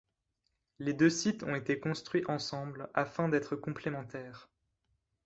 Les deux sites ont été construits ensemble afin d'être complémentaires.